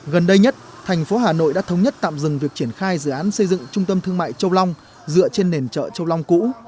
gần đây nhất thành phố hà nội đã thống nhất tạm dừng việc triển khai dự án xây dựng trung tâm thương mại châu long dựa trên nền chợ châu long cũ